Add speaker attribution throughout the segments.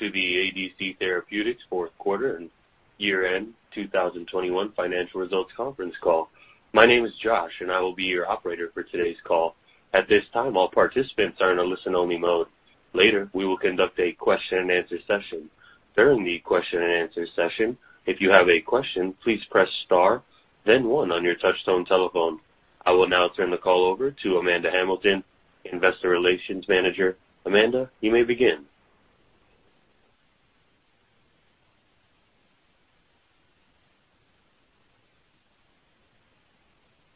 Speaker 1: Welcome to the ADC Therapeutics fourth quarter and year-end 2021 financial results conference call. My name is Josh, and I will be your operator for today's call. At this time, all participants are in a listen-only mode. Later, we will conduct a question-and-answer session. During the question-and-answer session, if you have a question, please press star then one on your touch tone telephone. I will now turn the call over to Amanda Hamilton, Investor Relations Manager. Amanda, you may begin.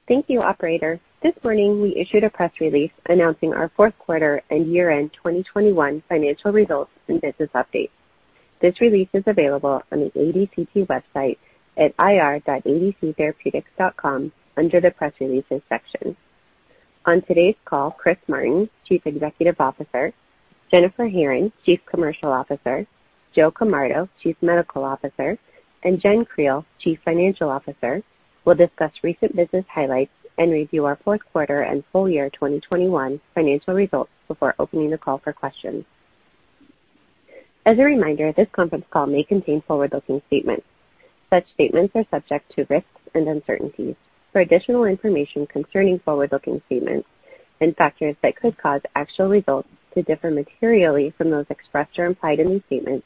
Speaker 2: Thank you, operator. This morning, we issued a press release announcing our fourth quarter and year-end 2021 financial results and business update. This release is available on the ADCT website at ir.adctherapeutics.com under the Press Releases section. On today's call, Chris Martin, Chief Executive Officer, Jennifer Herron, Chief Commercial Officer, Joseph Camardo, Chief Medical Officer, and Jennifer Creel, Chief Financial Officer, will discuss recent business highlights and review our fourth quarter and full year 2021 financial results before opening the call for questions. As a reminder, this conference call may contain forward-looking statements. Such statements are subject to risks and uncertainties. For additional information concerning forward-looking statements and factors that could cause actual results to differ materially from those expressed or implied in these statements,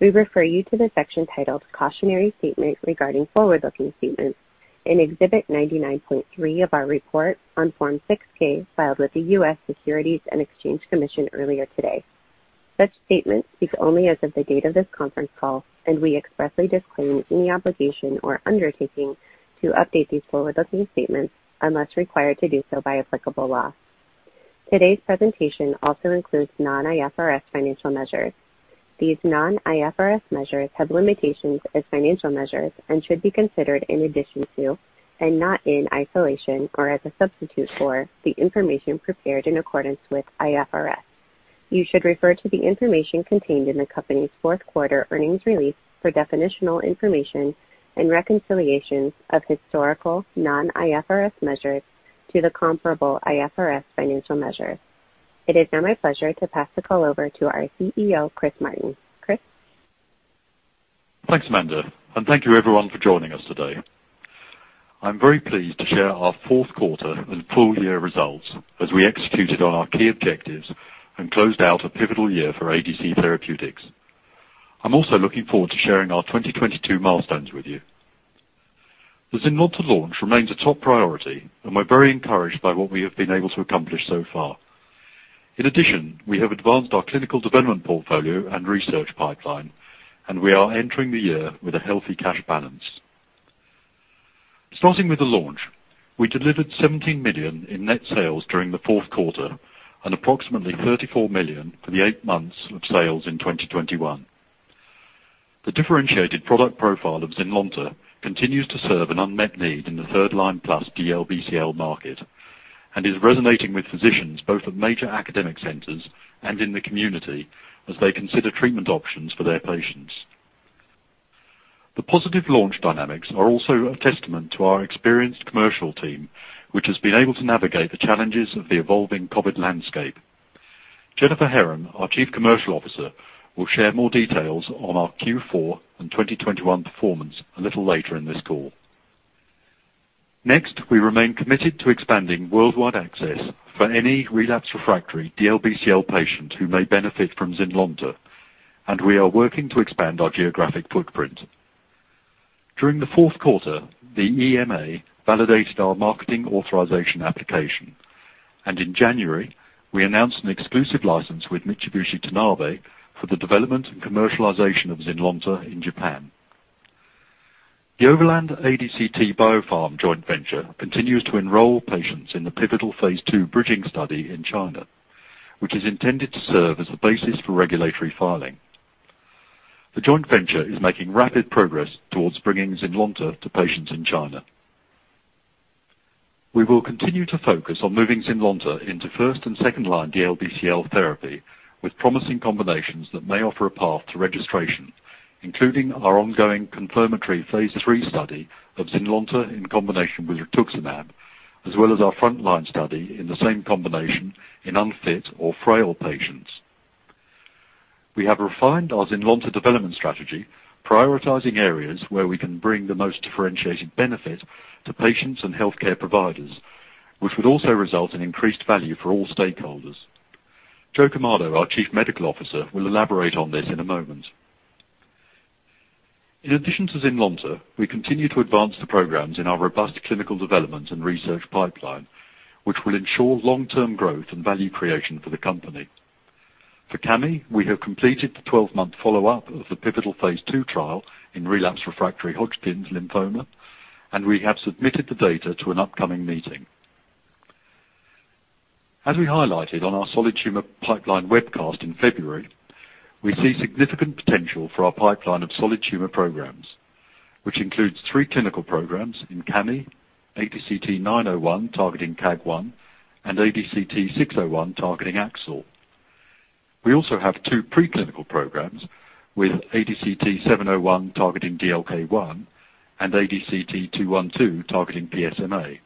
Speaker 2: we refer you to the section titled Cautionary Statement Regarding Forward-Looking Statements in Exhibit 99.3 of our report on Form 6-K filed with the U.S. Securities and Exchange Commission earlier today. Such statements speak only as of the date of this conference call, and we expressly disclaim any obligation or undertaking to update these forward-looking statements unless required to do so by applicable law. Today's presentation also includes non-IFRS financial measures. These non-IFRS measures have limitations as financial measures and should be considered in addition to, and not in isolation or as a substitute for, the information prepared in accordance with IFRS. You should refer to the information contained in the company's fourth quarter earnings release for definitional information and reconciliations of historical non-IFRS measures to the comparable IFRS financial measures. It is now my pleasure to pass the call over to our CEO, Chris Martin. Chris?
Speaker 3: Thanks, Amanda, and thank you everyone for joining us today. I'm very pleased to share our fourth quarter and full year results as we executed on our key objectives and closed out a pivotal year for ADC Therapeutics. I'm also looking forward to sharing our 2022 milestones with you. The ZYNLONTA launch remains a top priority, and we're very encouraged by what we have been able to accomplish so far. In addition, we have advanced our clinical development portfolio and research pipeline, and we are entering the year with a healthy cash balance. Starting with the launch, we delivered $17 million in net sales during the fourth quarter and approximately $34 million for the eight months of sales in 2021. The differentiated product profile of ZYNLONTA continues to serve an unmet need in the third line plus DLBCL market and is resonating with physicians both at major academic centers and in the community as they consider treatment options for their patients. The positive launch dynamics are also a testament to our experienced commercial team, which has been able to navigate the challenges of the evolving COVID landscape. Jennifer Herron, our Chief Commercial Officer, will share more details on our Q4 and 2021 performance a little later in this call. Next, we remain committed to expanding worldwide access for any relapsed/refractory DLBCL patient who may benefit from ZYNLONTA, and we are working to expand our geographic footprint. During the fourth quarter, the EMA validated our marketing authorization application, and in January, we announced an exclusive license with Mitsubishi Tanabe for the development and commercialization of ZYNLONTA in Japan. The Overland ADCT BioPharma joint venture continues to enroll patients in the pivotal phase II bridging study in China, which is intended to serve as the basis for regulatory filing. The joint venture is making rapid progress towards bringing ZYNLONTA to patients in China. We will continue to focus on moving ZYNLONTA into first- and second-line DLBCL therapy with promising combinations that may offer a path to registration, including our ongoing confirmatory phase III study of ZYNLONTA in combination with rituximab, as well as our frontline study in the same combination in unfit or frail patients. We have refined our ZYNLONTA development strategy, prioritizing areas where we can bring the most differentiated benefit to patients and healthcare providers, which would also result in increased value for all stakeholders. Joe Camardo, our Chief Medical Officer, will elaborate on this in a moment. In addition to ZYNLONTA, we continue to advance the programs in our robust clinical development and research pipeline, which will ensure long-term growth and value creation for the company. For Cami, we have completed the twelve-month follow-up of the pivotal phase II trial in relapsed/refractory Hodgkin's lymphoma, and we have submitted the data to an upcoming meeting. As we highlighted on our solid tumor pipeline webcast in February, we see significant potential for our pipeline of solid tumor programs, which includes three clinical programs in Cami, ADCT-901 targeting KAAG1, and ADCT-601 targeting AXL. We also have two preclinical programs with ADCT-701 targeting DLK1 and ADCT-212 targeting PSMA.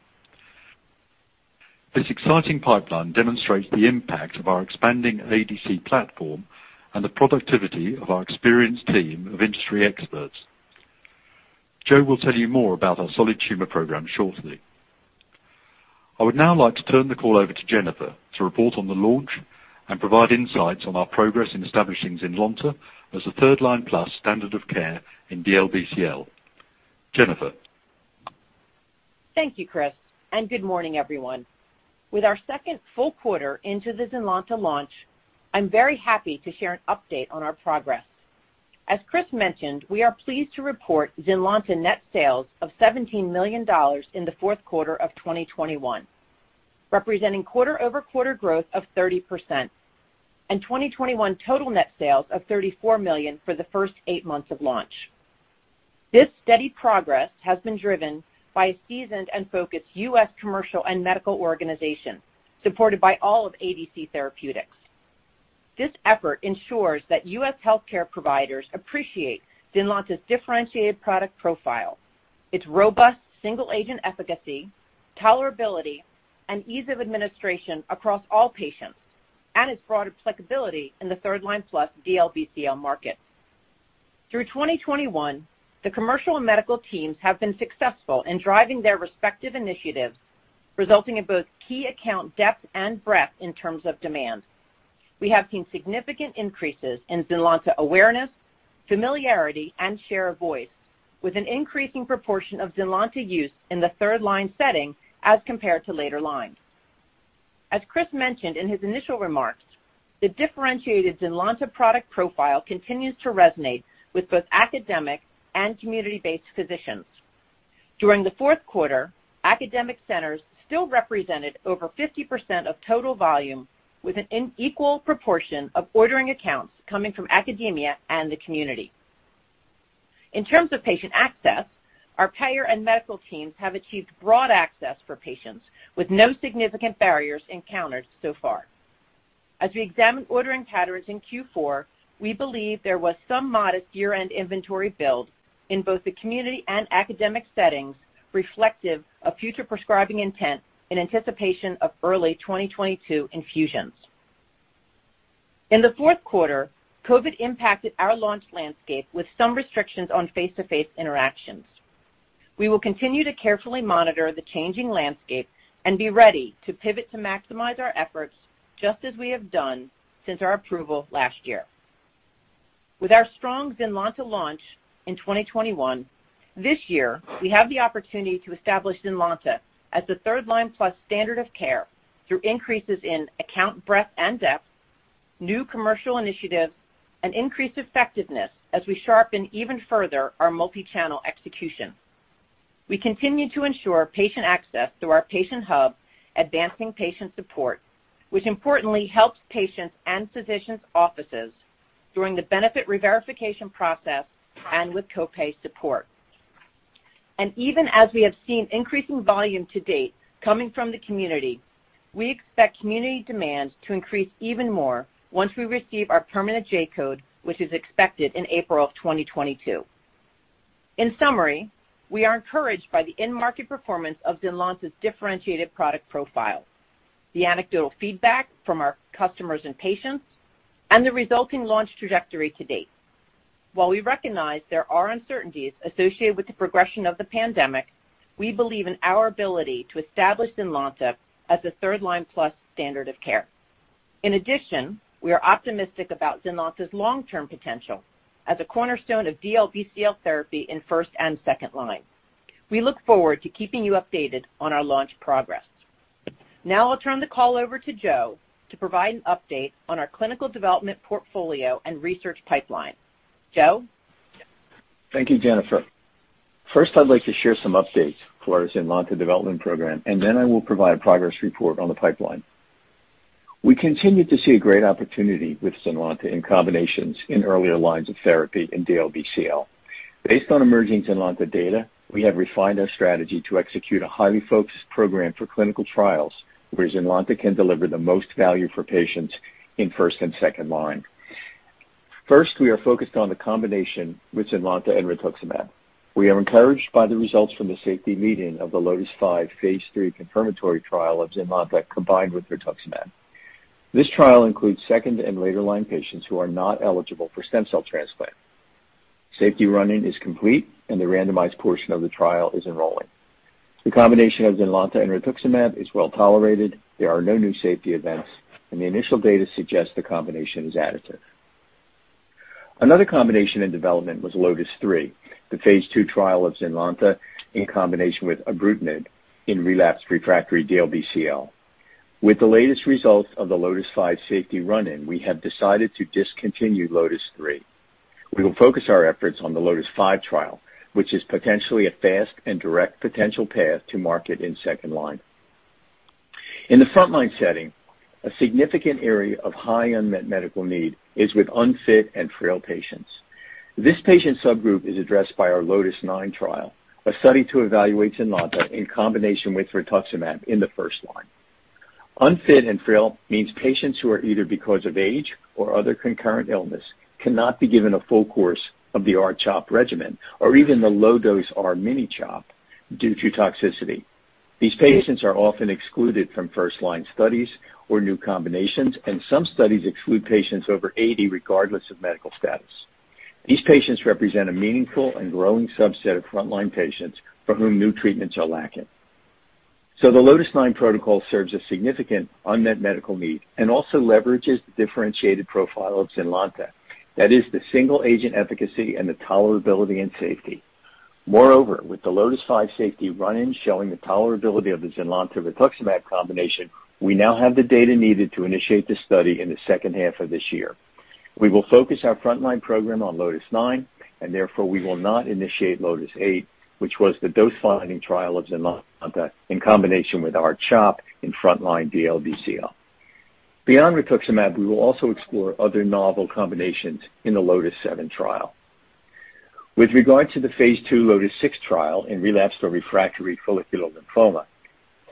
Speaker 3: This exciting pipeline demonstrates the impact of our expanding ADC platform and the productivity of our experienced team of industry experts. Joe will tell you more about our solid tumor program shortly. I would now like to turn the call over to Jennifer to report on the launch and provide insights on our progress in establishing ZYNLONTA as a third line plus standard of care in DLBCL. Jennifer.
Speaker 4: Thank you, Chris, and good morning, everyone. With our second full quarter into the ZYNLONTA launch, I'm very happy to share an update on our progress. As Chris mentioned, we are pleased to report ZYNLONTA net sales of $17 million in the fourth quarter of 2021, representing quarter-over-quarter growth of 30% and 2021 total net sales of $34 million for the first eight months of launch. This steady progress has been driven by a seasoned and focused U.S. commercial and medical organization supported by all of ADC Therapeutics. This effort ensures that U.S. healthcare providers appreciate ZYNLONTA's differentiated product profile, its robust single-agent efficacy, tolerability, and ease of administration across all patients, and its broad applicability in the third line plus DLBCL market. Through 2021, the commercial and medical teams have been successful in driving their respective initiatives, resulting in both key account depth and breadth in terms of demand. We have seen significant increases in ZYNLONTA awareness, familiarity, and share of voice, with an increasing proportion of ZYNLONTA use in the third-line setting as compared to later lines. As Chris mentioned in his initial remarks, the differentiated ZYNLONTA product profile continues to resonate with both academic and community-based physicians. During the fourth quarter, academic centers still represented over 50% of total volume with an equal proportion of ordering accounts coming from academia and the community. In terms of patient access, our payer and medical teams have achieved broad access for patients with no significant barriers encountered so far. As we examine ordering patterns in Q4, we believe there was some modest year-end inventory build in both the community and academic settings reflective of future prescribing intent in anticipation of early 2022 infusions. In the fourth quarter, COVID impacted our launch landscape with some restrictions on face-to-face interactions. We will continue to carefully monitor the changing landscape and be ready to pivot to maximize our efforts just as we have done since our approval last year. With our strong ZYNLONTA launch in 2021, this year, we have the opportunity to establish ZYNLONTA as the third-line plus standard of care through increases in account breadth and depth, new commercial initiatives, and increased effectiveness as we sharpen even further our multi-channel execution. We continue to ensure patient access through our patient hub, Advancing Patient Support, which importantly helps patients and physicians' offices during the benefit reverification process and with copay support. Even as we have seen increasing volume to date coming from the community, we expect community demand to increase even more once we receive our permanent J-code, which is expected in April 2022. In summary, we are encouraged by the in-market performance of ZYNLONTA's differentiated product profile, the anecdotal feedback from our customers and patients, and the resulting launch trajectory to date. While we recognize there are uncertainties associated with the progression of the pandemic, we believe in our ability to establish ZYNLONTA as a third-line plus standard of care. In addition, we are optimistic about ZYNLONTA's long-term potential as a cornerstone of DLBCL therapy in first and second line. We look forward to keeping you updated on our launch progress. Now I'll turn the call over to Joe to provide an update on our clinical development portfolio and research pipeline. Joe?
Speaker 5: Thank you, Jennifer. First, I'd like to share some updates for our ZYNLONTA development program, and then I will provide a progress report on the pipeline. We continue to see a great opportunity with ZYNLONTA in combinations in earlier lines of therapy in DLBCL. Based on emerging ZYNLONTA data, we have refined our strategy to execute a highly focused program for clinical trials where ZYNLONTA can deliver the most value for patients in first and second line. First, we are focused on the combination with ZYNLONTA and rituximab. We are encouraged by the results from the safety meeting of the LOTIS-5 phase III confirmatory trial of ZYNLONTA combined with rituximab. This trial includes second and later line patients who are not eligible for stem cell transplant. Safety run-in is complete, and the randomized portion of the trial is enrolling. The combination of ZYNLONTA and rituximab is well-tolerated. There are no new safety events, and the initial data suggests the combination is additive. Another combination in development was LOTIS-3, the phase II trial of ZYNLONTA in combination with ibrutinib in relapsed refractory DLBCL. With the latest results of the LOTIS-5 safety run-in, we have decided to discontinue LOTIS-3. We will focus our efforts on the LOTIS-5 trial, which is potentially a fast and direct potential path to market in second line. In the front-line setting, a significant area of high unmet medical need is with unfit and frail patients. This patient subgroup is addressed by our LOTIS-9 trial, a study to evaluate ZYNLONTA in combination with rituximab in the first line. Unfit and frail means patients who are either because of age or other concurrent illness cannot be given a full course of the R-CHOP regimen or even the low dose R-miniCHOP due to toxicity. These patients are often excluded from first line studies or new combinations, and some studies exclude patients over 80, regardless of medical status. These patients represent a meaningful and growing subset of frontline patients for whom new treatments are lacking. The LOTIS-9 protocol serves a significant unmet medical need and also leverages the differentiated profile of ZYNLONTA. That is the single-agent efficacy and the tolerability and safety. Moreover, with the LOTIS-5 safety run-in showing the tolerability of the ZYNLONTA rituximab combination, we now have the data needed to initiate the study in the second half of this year. We will focus our frontline program on LOTIS-9, and therefore we will not initiate LOTIS-8, which was the dose-finding trial of ZYNLONTA in combination with R-CHOP in frontline DLBCL. Beyond rituximab, we will also explore other novel combinations in the LOTIS-7 trial. With regard to the phase II LOTIS-6 trial in relapsed or refractory follicular lymphoma,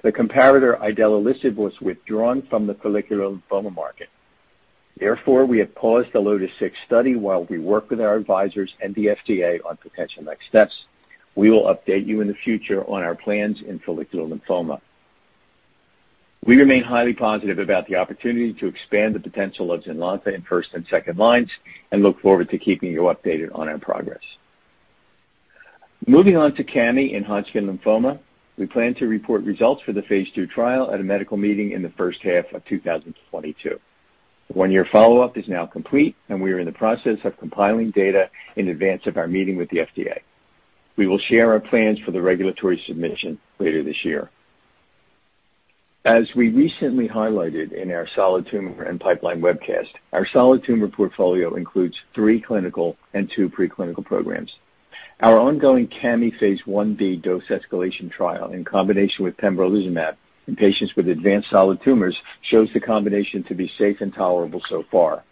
Speaker 5: the comparator, idelalisib, was withdrawn from the follicular lymphoma market. Therefore, we have paused the LOTIS-6 study while we work with our advisors and the FDA on potential next steps. We will update you in the future on our plans in follicular lymphoma. We remain highly positive about the opportunity to expand the potential of ZYNLONTA in first and second lines, and look forward to keeping you updated on our progress. Moving on to Cami and Hodgkin's lymphoma, we plan to report results for the phase II trial at a medical meeting in the first half of 2022. The one-year follow-up is now complete, and we are in the process of compiling data in advance of our meeting with the FDA. We will share our plans for the regulatory submission later this year. As we recently highlighted in our solid tumor and pipeline webcast, our solid tumor portfolio includes three clinical and two preclinical programs. Our ongoing Cami phase Ib dose escalation trial in combination with pembrolizumab in patients with advanced solid tumors shows the combination to be safe and tolerable so far.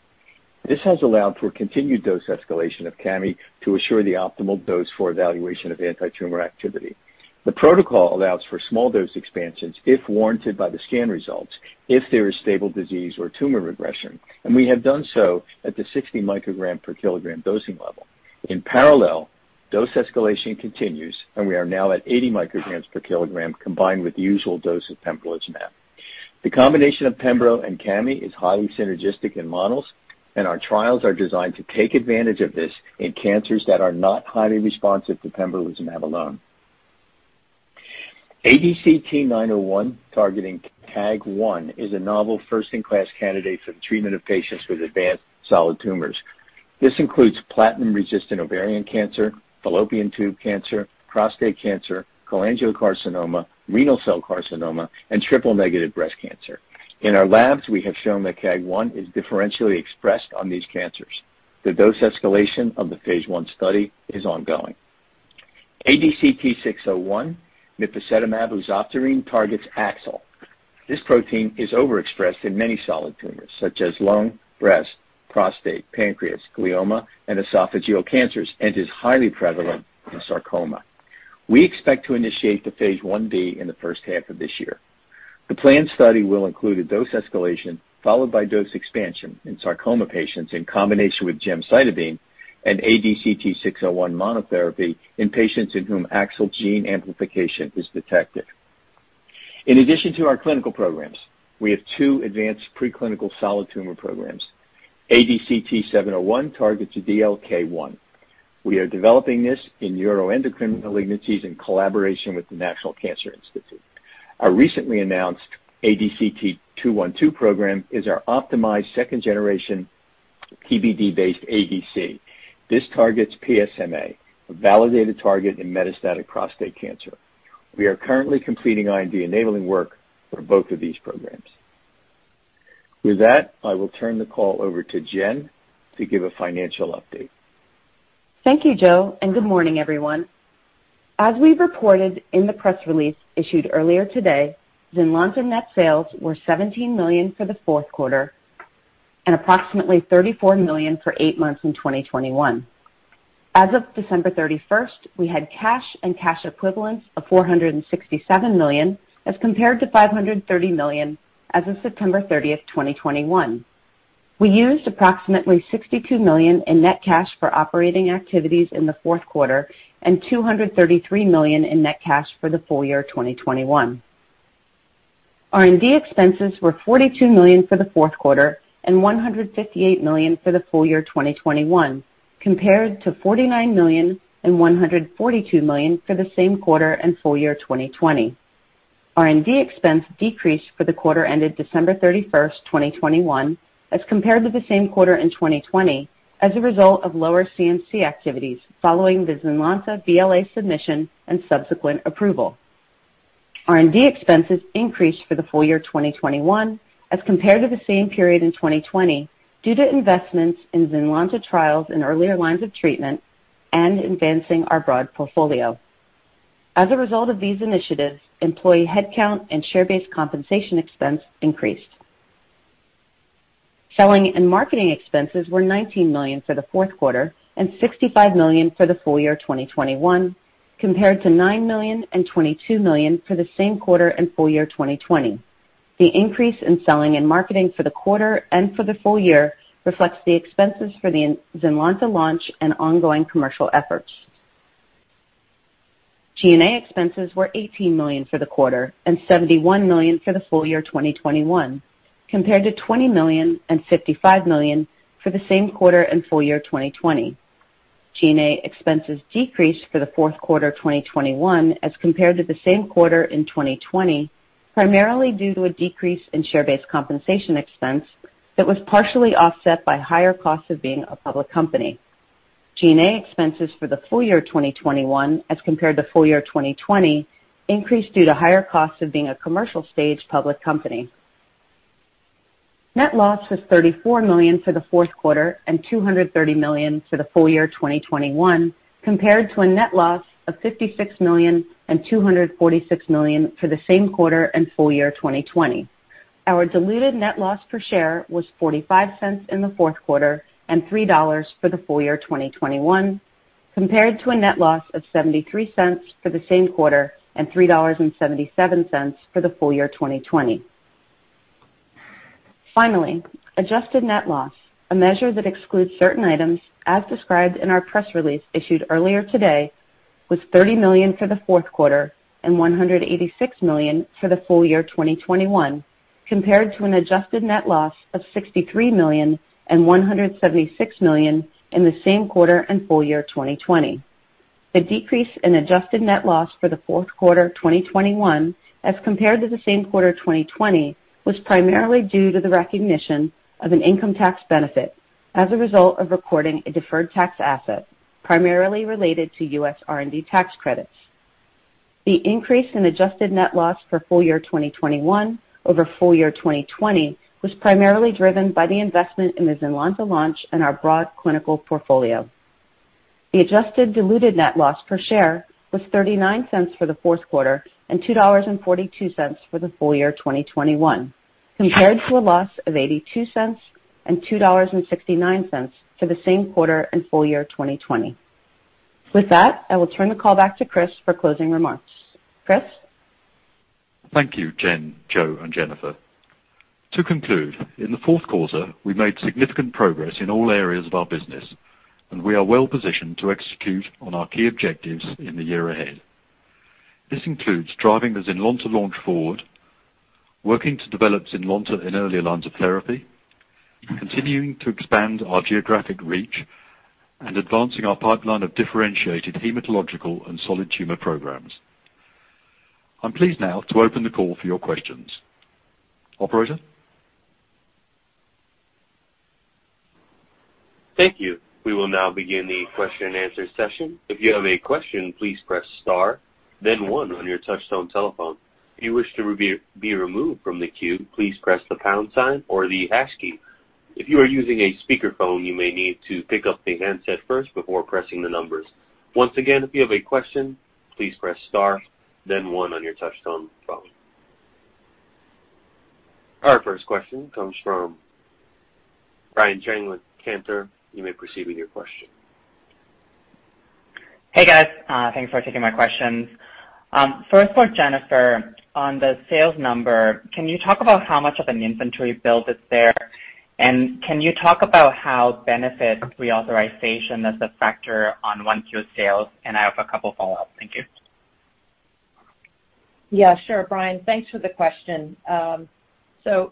Speaker 5: This has allowed for continued dose escalation of Cami to assure the optimal dose for evaluation of antitumor activity. The protocol allows for small dose expansions if warranted by the scan results if there is stable disease or tumor regression, and we have done so at the 60 microgram per kilogram dosing level. In parallel, dose escalation continues, and we are now at 80 microgram per kilogram, combined with the usual dose of pembrolizumab. The combination of pembro and Cami is highly synergistic in models, and our trials are designed to take advantage of this in cancers that are not highly responsive to pembrolizumab alone. ADCT-901 targeting KAAG1 is a novel first-in-class candidate for the treatment of patients with advanced solid tumors. This includes platinum-resistant ovarian cancer, fallopian tube cancer, prostate cancer, cholangiocarcinoma, renal cell carcinoma, and triple-negative breast cancer. In our labs, we have shown that KAAG1 is differentially expressed on these cancers. The dose escalation of the phase I study is ongoing. ADCT-601 mipasetamab uzoptirine targets AXL. This protein is overexpressed in many solid tumors such as lung, breast, prostate, pancreas, glioma, and esophageal cancers and is highly prevalent in sarcoma. We expect to initiate the phase Ib in the first half of this year. The planned study will include a dose escalation followed by dose expansion in sarcoma patients in combination with gemcitabine and ADCT-601 monotherapy in patients in whom AXL gene amplification is detected. In addition to our clinical programs, we have two advanced preclinical solid tumor programs. ADCT-701 targets DLK1. We are developing this in neuroendocrine malignancies in collaboration with the National Cancer Institute. Our recently announced ADCT-212 program is our optimized second generation PBD-based ADC. This targets PSMA, a validated target in metastatic prostate cancer. We are currently completing IND enabling work for both of these programs. With that, I will turn the call over to Jenn to give a financial update.
Speaker 6: Thank you, Joe, and good morning, everyone. As we reported in the press release issued earlier today, ZYNLONTA net sales were $17 million for the fourth quarter and approximately $34 million for eight months in 2021. As of December 31, we had cash and cash equivalents of $467 million as compared to $530 million as of September 30, 2021. We used approximately $62 million in net cash for operating activities in the fourth quarter and $233 million in net cash for the full year 2021. R&D expenses were $42 million for the fourth quarter and $158 million for the full year 2021 compared to $49 million and $142 million for the same quarter and full year 2020. R&D expense decreased for the quarter ended December 31, 2021, as compared to the same quarter in 2020 as a result of lower CMC activities following the ZYNLONTA BLA submission and subsequent approval. R&D expenses increased for the full year 2021 as compared to the same period in 2020 due to investments in ZYNLONTA trials in earlier lines of treatment and advancing our broad portfolio. As a result of these initiatives, employee headcount and share-based compensation expense increased. Selling and marketing expenses were $19 million for the fourth quarter and $65 million for the full year 2021, compared to $9 million and $22 million for the same quarter and full year 2020. The increase in selling and marketing for the quarter and for the full year reflects the expenses for the ZYNLONTA launch and ongoing commercial efforts. G&A expenses were $18 million for the quarter and $71 million for the full year 2021, compared to $20 million and $55 million for the same quarter and full year 2020. G&A expenses decreased for the fourth quarter 2021 as compared to the same quarter in 2020, primarily due to a decrease in share-based compensation expense that was partially offset by higher costs of being a public company. G&A expenses for the full year 2021 as compared to full year 2020 increased due to higher costs of being a commercial-stage public company. Net loss was $34 million for the fourth quarter and $230 million for the full year 2021, compared to a net loss of $56 million and $246 million for the same quarter and full year 2020. Our diluted net loss per share was $0.45 in the fourth quarter and $3 for the full year 2021, compared to a net loss of $0.73 for the same quarter and $3.77 for the full year 2020. Finally, adjusted net loss, a measure that excludes certain items as described in our press release issued earlier today, was $30 million for the fourth quarter and $186 million for the full year 2021, compared to an adjusted net loss of $63 million and $176 million in the same quarter and full year 2020. The decrease in adjusted net loss for the fourth quarter 2021 as compared to the same quarter 2020 was primarily due to the recognition of an income tax benefit as a result of recording a deferred tax asset primarily related to U.S. R&D tax credits. The increase in adjusted net loss for full year 2021 over full year 2020 was primarily driven by the investment in the ZYNLONTA launch and our broad clinical portfolio. The adjusted diluted net loss per share was $0.39 for the fourth quarter and $2.42 for the full year 2021, compared to a loss of $0.82 and $2.69 for the same quarter and full year 2020. With that, I will turn the call back to Chris for closing remarks. Chris?
Speaker 3: Thank you, Jenn, Joe, and Jennifer. To conclude, in the fourth quarter, we made significant progress in all areas of our business, and we are well-positioned to execute on our key objectives in the year ahead. This includes driving the ZYNLONTA launch forward, working to develop ZYNLONTA in earlier lines of therapy, continuing to expand our geographic reach, and advancing our pipeline of differentiated hematological and solid tumor programs. I'm pleased now to open the call for your questions. Operator?
Speaker 1: Thank you. We will now begin the question and answer session. If you have a question, please press star then one on your touchtone telephone. If you wish to be removed from the queue, please press the pound sign or the hash key. If you are using a speakerphone, you may need to pick up the handset first before pressing the numbers. Once again, if you have a question, please press star then one on your touchtone phone. Our first question comes from Brian Cheng with Cantor. You may proceed with your question.
Speaker 7: Hey, guys. Thanks for taking my questions. First for Jennifer, on the sales number, can you talk about how much of an inventory build is there? Can you talk about how benefit reauthorization is a factor on 1Q sales? I have a couple follow-ups. Thank you.
Speaker 6: Yeah, sure, Brian. Thanks for the question.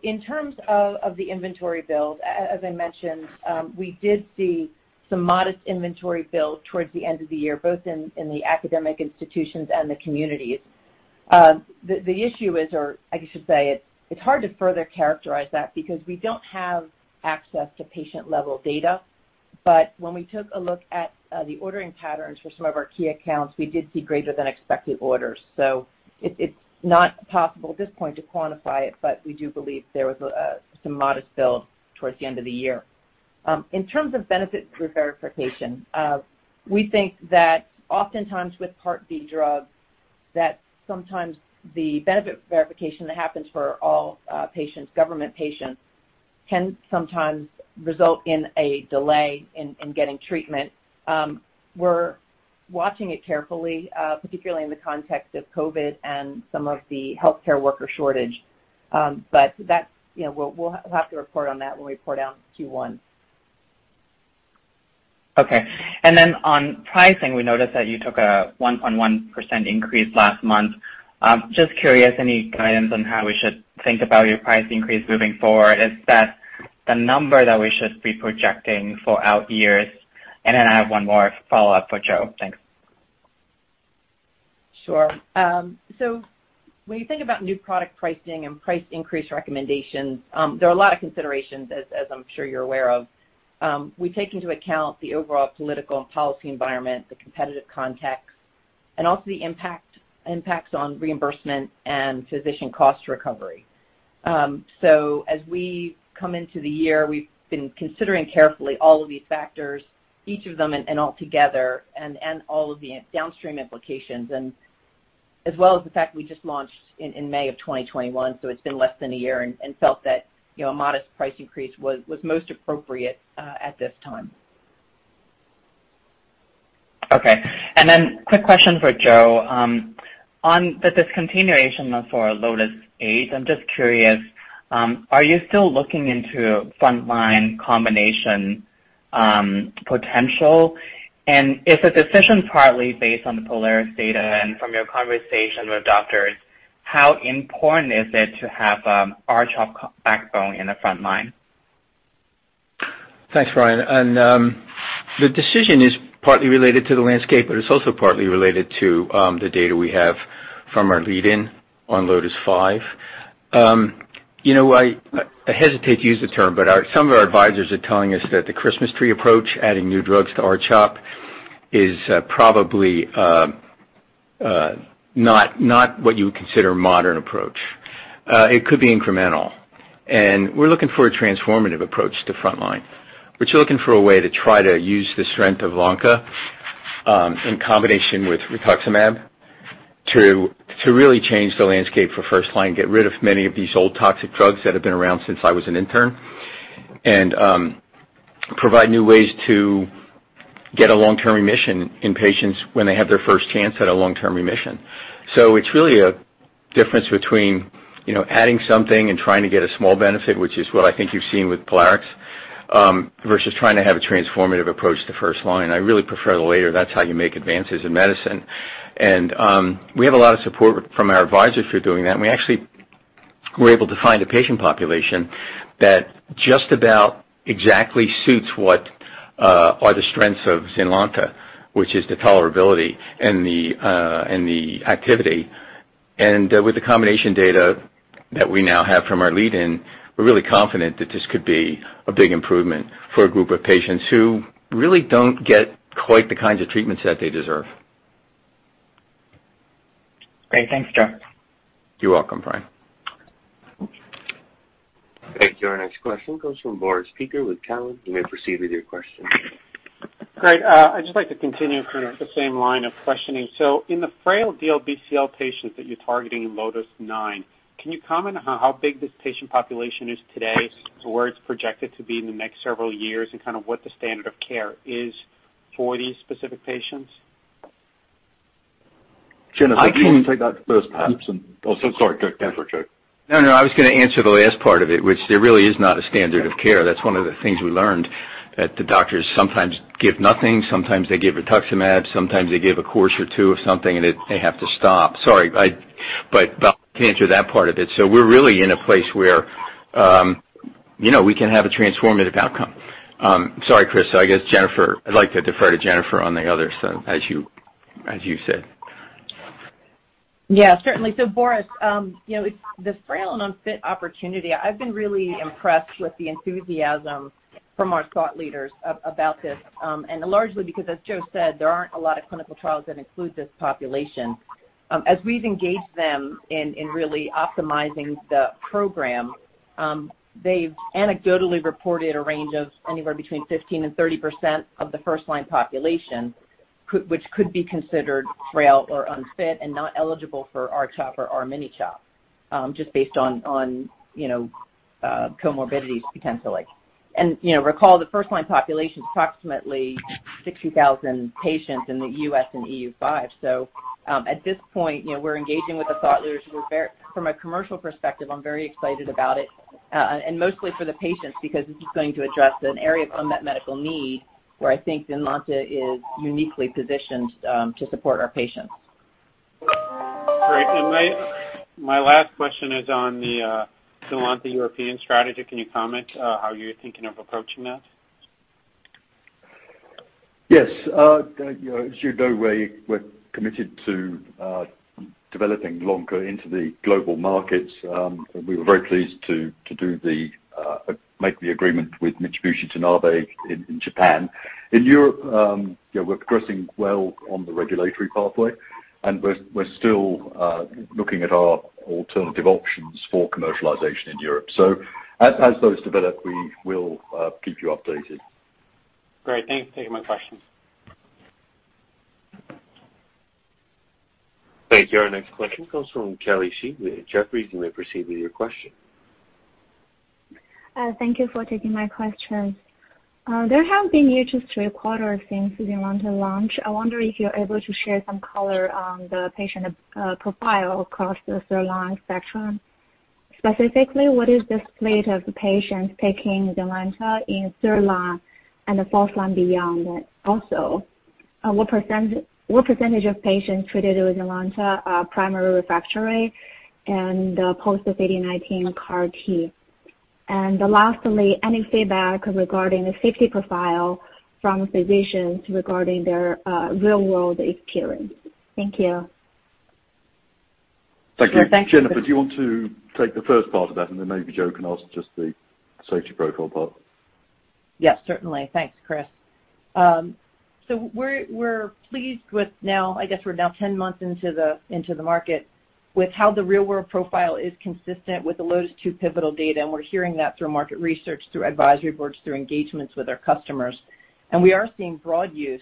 Speaker 6: In terms of the inventory build, as I mentioned, we did see some modest inventory build towards the end of the year, both in the academic institutions and the communities. The issue is, or I should say it's hard to further characterize that because we don't have access to patient-level data. When we took a look at the ordering patterns for some of our key accounts, we did see greater than expected orders. It's not possible at this point to quantify it, but we do believe there was some modest build towards the end of the year. In terms of benefit reverification, we think that oftentimes with Part D drugs, that sometimes the benefit verification that happens for all patients, government patients, can sometimes result in a delay in getting treatment. We're watching it carefully, particularly in the context of COVID and some of the healthcare worker shortage. That's, you know. We'll have to report on that when we report out Q1.
Speaker 7: Okay. On pricing, we noticed that you took a 1.1% increase last month. Just curious, any guidance on how we should think about your price increase moving forward? Is that the number that we should be projecting for out years? I have one more follow-up for Joe. Thanks.
Speaker 6: Sure. When you think about new product pricing and price increase recommendations, there are a lot of considerations, as I'm sure you're aware of. We take into account the overall political and policy environment, the competitive context, and also the impacts on reimbursement and physician cost recovery. As we come into the year, we've been considering carefully all of these factors, each of them and altogether and all of the downstream implications.
Speaker 4: As well as the fact we just launched in May 2021, so it's been less than a year and felt that, you know, a modest price increase was most appropriate at this time.
Speaker 7: Okay. Quick question for Joe. On the discontinuation of our LOTIS-8, I'm just curious, are you still looking into frontline combination potential? Is the decision partly based on the POLARIX data and from your conversation with doctors, how important is it to have R-CHOP backbone in the frontline?
Speaker 5: Thanks, Brian. The decision is partly related to the landscape, but it's also partly related to the data we have from our lead-in on LOTIS-5. I hesitate to use the term, but some of our advisors are telling us that the Christmas tree approach, adding new drugs to R-CHOP, is probably not what you would consider modern approach. It could be incremental, and we're looking for a transformative approach to frontline. We're still looking for a way to try to use the strength of Lonca in combination with rituximab to really change the landscape for first line, get rid of many of these old toxic drugs that have been around since I was an intern. provide new ways to get a long-term remission in patients when they have their first chance at a long-term remission. It's really a difference between, you know, adding something and trying to get a small benefit, which is what I think you've seen with POLARIX, versus trying to have a transformative approach to first line. I really prefer the latter. That's how you make advances in medicine. We have a lot of support from our advisors for doing that, and we actually were able to find a patient population that just about exactly suits what are the strengths of ZYNLONTA, which is the tolerability and the activity. With the combination data that we now have from our lead-in, we're really confident that this could be a big improvement for a group of patients who really don't get quite the kinds of treatments that they deserve.
Speaker 7: Great. Thanks, Joe.
Speaker 5: You're welcome, Brian.
Speaker 1: Thank you. Our next question comes from Boris Peaker with Cowen. You may proceed with your question.
Speaker 8: Great. I'd just like to continue kind of the same line of questioning. In the frail DLBCL patients that you're targeting in LOTIS-9, can you comment on how big this patient population is today to where it's projected to be in the next several years and kind of what the standard of care is for these specific patients?
Speaker 4: I can-
Speaker 3: Jennifer, if you want to take that first perhaps. Oh, so sorry. Go for it, Joe.
Speaker 5: No, no. I was gonna answer the last part of it, which there really is not a standard of care. That's one of the things we learned, that the doctors sometimes give nothing, sometimes they give rituximab, sometimes they give a course or two of something, and they have to stop. Sorry, but to answer that part of it. We're really in a place where, you know, we can have a transformative outcome. Sorry, Chris. I guess, Jennifer, I'd like to defer to Jennifer on the other side, as you said.
Speaker 4: Yeah, certainly. Boris, you know, it's the frail and unfit opportunity. I've been really impressed with the enthusiasm from our thought leaders about this, and largely because, as Joe said, there aren't a lot of clinical trials that include this population. As we've engaged them in really optimizing the program, they've anecdotally reported a range of anywhere between 15%-30% of the first-line population which could be considered frail or unfit and not eligible for R-CHOP or R-miniCHOP, just based on, you know, comorbidities potentially. You know, recall the first-line population is approximately 60,000 patients in the U.S. and EU5. At this point, you know, we're engaging with the thought leaders. From a commercial perspective, I'm very excited about it, and mostly for the patients because this is going to address an area of unmet medical need where I think ZYNLONTA is uniquely positioned to support our patients.
Speaker 8: Great. My last question is on the ZYNLONTA European strategy. Can you comment how you're thinking of approaching that?
Speaker 3: Yes. You know, as you know, we're committed to developing Lonca into the global markets, and we were very pleased to make the agreement with Mitsubishi Tanabe in Japan. In Europe, you know, we're progressing well on the regulatory pathway, and we're still looking at our alternative options for commercialization in Europe. As those develop, we will keep you updated.
Speaker 8: Great. Thank you.
Speaker 2: Thank you.
Speaker 8: My questions.
Speaker 1: Thank you. Our next question comes from Kelly Shi with Jefferies. You may proceed with your question.
Speaker 9: Thank you for taking my questions. There have been just three quarters since ZYNLONTA launch. I wonder if you're able to share some color on the patient profile across the third line spectrum. Specifically, what is the slate of patients taking ZYNLONTA in third line and the fourth line beyond that? Also, what percentage of patients treated with ZYNLONTA are primary refractory and post-[AT9] CAR T? And lastly, any feedback regarding the safety profile from physicians regarding their real-world experience? Thank you.
Speaker 4: Sure. Thanks, Chris.
Speaker 3: Thank you. Jennifer, do you want to take the first part of that, and then maybe Joe can answer just the safety profile part?
Speaker 4: Yeah, certainly. Thanks, Chris. So we're pleased with now. I guess we're now 10 months into the market with how the real-world profile is consistent with the LOTIS-2 pivotal data, and we're hearing that through market research, through advisory boards, through engagements with our customers. We are seeing broad use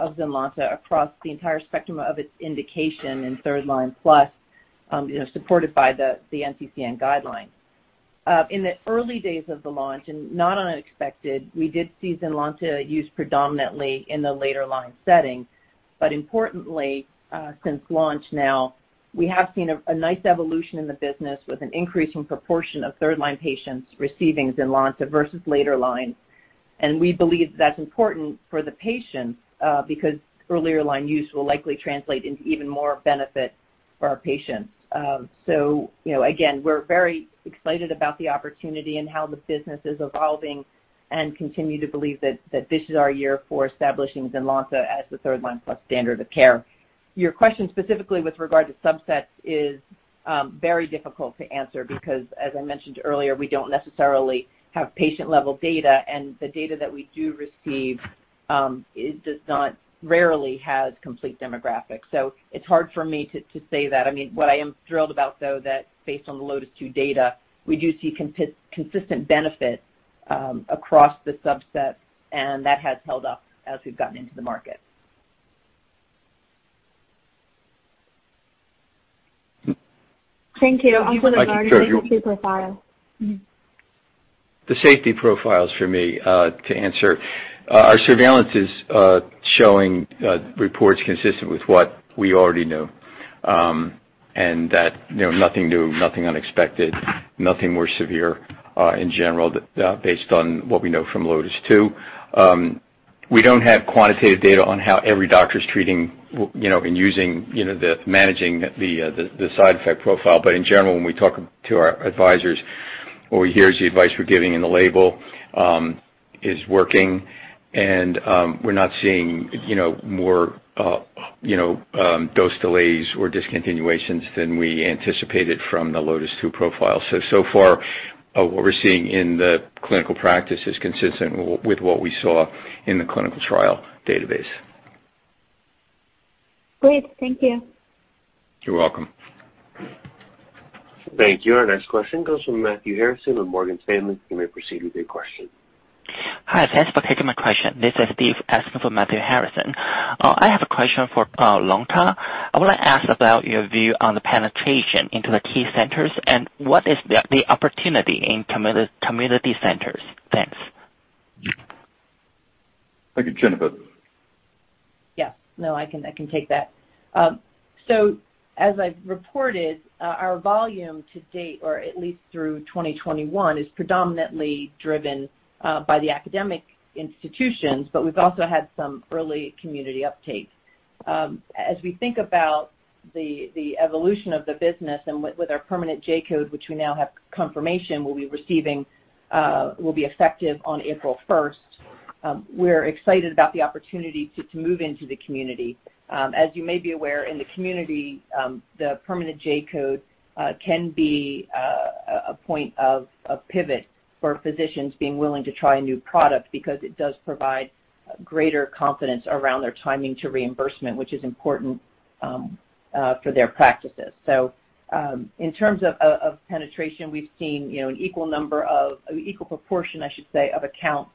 Speaker 4: of ZYNLONTA across the entire spectrum of its indication in third line plus, you know, supported by the NCCN guideline. In the early days of the launch, and not unexpected, we did see ZYNLONTA used predominantly in the later line setting. Importantly, since launch now, we have seen a nice evolution in the business with an increase in proportion of third line patients receiving ZYNLONTA versus later line. We believe that's important for the patients, because earlier line use will likely translate into even more benefit for our patients. So you know, again, we're very excited about the opportunity and how the business is evolving and continue to believe that this is our year for establishing ZYNLONTA as the third-line plus standard of care. Your question specifically with regard to subsets is very difficult to answer because as I mentioned earlier, we don't necessarily have patient-level data, and the data that we do receive, it rarely has complete demographics. So it's hard for me to say that. I mean, what I am thrilled about, though, is that based on the LOTIS-2 data, we do see consistent benefit across the subset, and that has held up as we've gotten into the market.
Speaker 9: Thank you. Also regarding the safety profile.
Speaker 5: ,The safety profiles for me, to answer, our surveillance is showing reports consistent with what we already knew, that you know, nothing new, nothing unexpected, nothing more severe, in general based on what we know from LOTIS-2. We don't have quantitative data on how every doctor's treating, you know, and using, you know, managing the side effect profile. But in general, when we talk to our advisors, what we hear is the advice we're giving in the label is working and, we're not seeing, you know, more, you know, dose delays or discontinuations than we anticipated from the LOTIS-2 profile. So far, what we're seeing in the clinical practice is consistent with what we saw in the clinical trial database.
Speaker 9: Great. Thank you.
Speaker 5: You're welcome.
Speaker 1: Thank you. Our next question comes from Matthew Harrison with Morgan Stanley. You may proceed with your question.
Speaker 10: Hi. Thanks for taking my question. This is Steve asking for Matthew Harrison. I have a question for Lonca. I wanna ask about your view on the penetration into the key centers and what is the opportunity in community centers? Thanks.
Speaker 5: Thank you, Jennifer.
Speaker 4: Yes. No, I can take that. As I've reported, our volume to date, or at least through 2021, is predominantly driven by the academic institutions, but we've also had some early community uptake. As we think about the evolution of the business and with our permanent J-code, which we now have confirmation we'll be receiving, will be effective on April 1, we're excited about the opportunity to move into the community. As you may be aware, in the community, the permanent J-code can be a point of pivot for physicians being willing to try a new product because it does provide greater confidence around their timing to reimbursement, which is important for their practices. In terms of penetration, we've seen, you know, an equal number of... Equal proportion, I should say, of accounts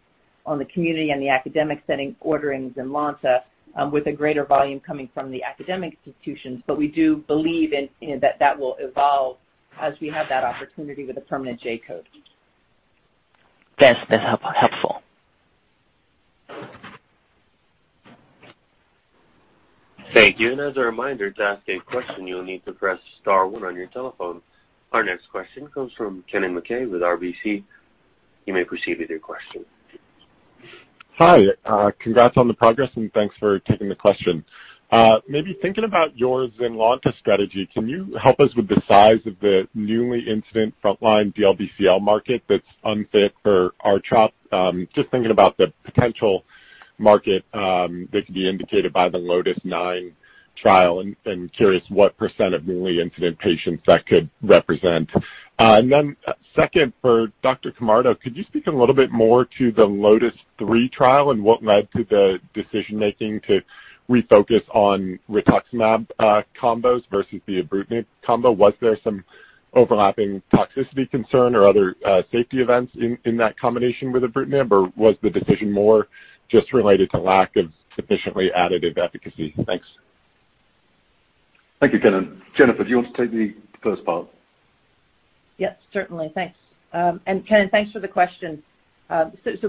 Speaker 4: on the community and the academic setting ordering ZYNLONTA, with a greater volume coming from the academic institutions. We do believe in that will evolve as we have that opportunity with a permanent J-code.
Speaker 10: Thanks. That's helpful.
Speaker 1: Thank you. As a reminder, to ask a question, you'll need to press star one on your telephone. Our next question comes from Kennen MacKay with RBC. You may proceed with your question.
Speaker 11: Hi, congrats on the progress, and thanks for taking the question. Maybe thinking about your ZYNLONTA strategy, can you help us with the size of the newly incident frontline DLBCL market that's unfit for R-CHOP? Just thinking about the potential market, that could be indicated by the LOTIS-9 trial and curious what percent of newly incident patients that could represent. Second, for Dr. Camardo, could you speak a little bit more to the LOTIS-3 trial and what led to the decision-making to refocus on rituximab combos versus the ibrutinib combo? Was there some overlapping toxicity concern or other safety events in that combination with ibrutinib, or was the decision more just related to lack of sufficiently additive efficacy? Thanks.
Speaker 5: Thank you, Kennen. Jennifer, do you want to take the first part?
Speaker 4: Yes, certainly. Thanks. Kennen, thanks for the question.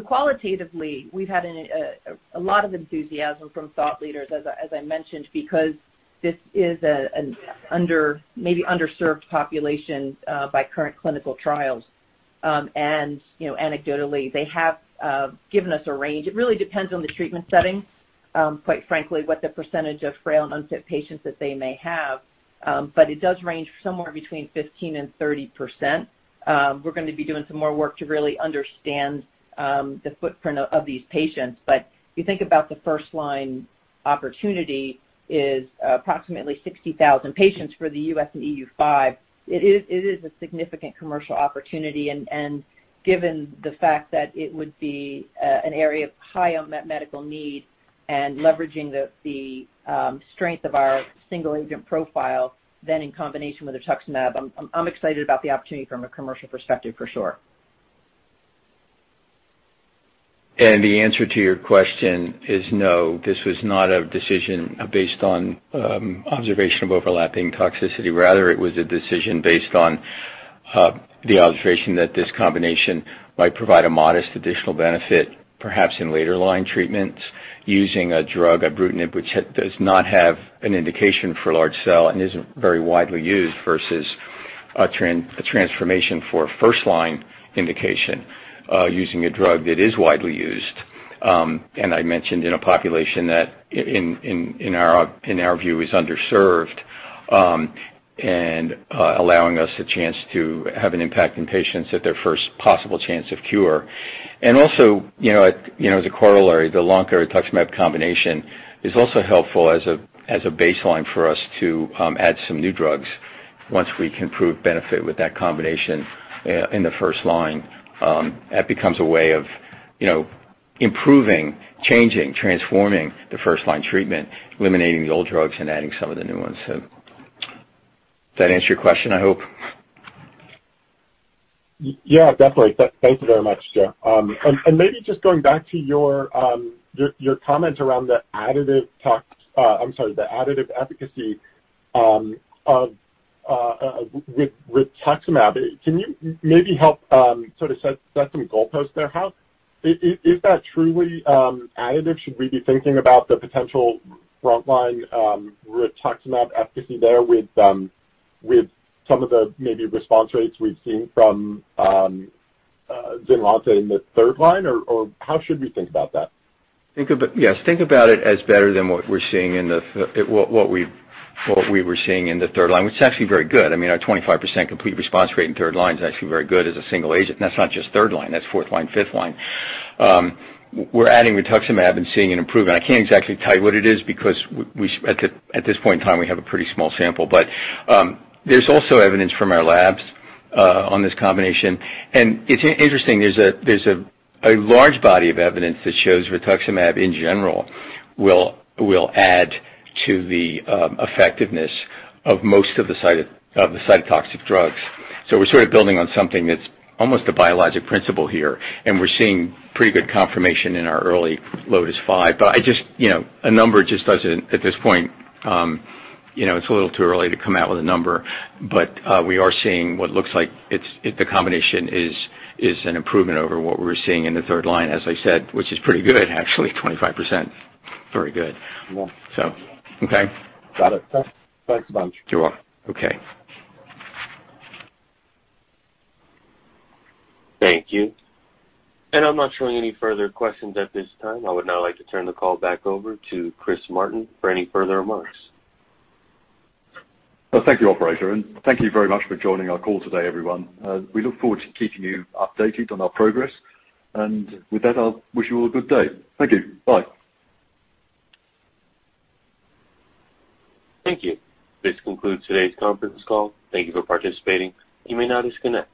Speaker 4: Qualitatively, we've had a lot of enthusiasm from thought leaders, as I mentioned, because this is an underserved population by current clinical trials. You know, anecdotally, they have given us a range. It really depends on the treatment setting, quite frankly, what the percentage of frail and unfit patients that they may have. It does range somewhere between 15%-30%. We're gonna be doing some more work to really understand the footprint of these patients. If you think about the first line opportunity is approximately 60,000 patients for the U.S. and EU5, it is a significant commercial opportunity and given the fact that it would be an area of high unmet medical need and leveraging the strength of our single agent profile and in combination with rituximab, I'm excited about the opportunity from a commercial perspective for sure.
Speaker 5: The answer to your question is no, this was not a decision based on observation of overlapping toxicity. Rather, it was a decision based on the observation that this combination might provide a modest additional benefit, perhaps in later line treatments using a drug, ibrutinib, which does not have an indication for large cell and isn't very widely used versus a transformation for first line indication, using a drug that is widely used, and I mentioned in a population that in our view is underserved, and allowing us a chance to have an impact in patients at their first possible chance of cure. Also, you know, as a corollary, the loncastuximab combination is also helpful as a baseline for us to add some new drugs once we can prove benefit with that combination in the first line. That becomes a way of, you know, improving, changing, transforming the first line treatment, eliminating the old drugs and adding some of the new ones. That answer your question, I hope?
Speaker 11: Yeah, definitely. Thank you very much, Joe. Maybe just going back to your comment around the additive tox—I'm sorry, the additive efficacy of with rituximab. Can you maybe help sort of set some goalposts there, how is that truly additive? Should we be thinking about the potential frontline rituximab efficacy there with some of the maybe response rates we've seen from ZYNLONTA in the third line, or how should we think about that?
Speaker 5: Yes, think about it as better than what we were seeing in the third line, which is actually very good. I mean, our 25% complete response rate in third line is actually very good as a single agent. That's not just third line, that's fourth line, fifth line. We're adding rituximab and seeing an improvement. I can't exactly tell you what it is because at this point in time, we have a pretty small sample. There's also evidence from our labs on this combination. It's interesting, there's a large body of evidence that shows rituximab in general will add to the effectiveness of most of the cytotoxic drugs. We're sort of building on something that's almost a biologic principle here, and we're seeing pretty good confirmation in our early LOTIS-5. I just, you know, a number just doesn't at this point. You know, it's a little too early to come out with a number, but we are seeing what looks like the combination is an improvement over what we were seeing in the third-line, as I said, which is pretty good, actually, 25%. Very good.
Speaker 11: Yeah.
Speaker 5: Okay.
Speaker 11: Got it. Thanks a bunch.
Speaker 5: You're welcome. Okay.
Speaker 1: Thank you. I'm not showing any further questions at this time. I would now like to turn the call back over to Chris Martin for any further remarks.
Speaker 3: Oh, thank you, operator, and thank you very much for joining our call today, everyone. We look forward to keeping you updated on our progress. With that, I'll wish you all a good day. Thank you. Bye.
Speaker 1: Thank you. This concludes today's conference call. Thank you for participating. You may now disconnect.